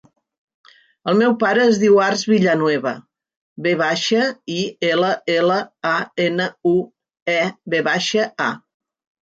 El meu pare es diu Arç Villanueva: ve baixa, i, ela, ela, a, ena, u, e, ve baixa, a.